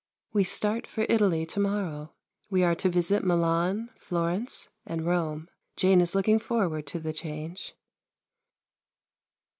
We start for Italy to morrow. We are to visit Milan, Florence and Rome. Jane is looking forward to the change.